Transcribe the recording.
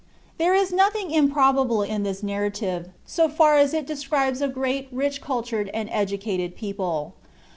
There is nothing improbable in this narrative, so far as it describes a great, rich, cultured, and educated people.